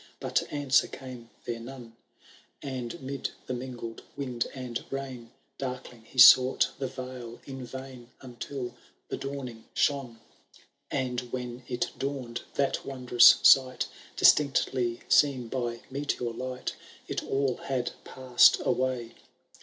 But answer came there none ; And mid the mingled wind and rain. Darkling he sought the vale in vain,^ Until the dawning shone ; And when it dawn'd, that wondrous sight, Distinctly seen by meteor light, It all had passed away